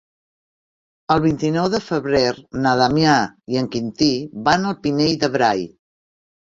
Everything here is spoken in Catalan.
El vint-i-nou de febrer na Damià i en Quintí van al Pinell de Brai.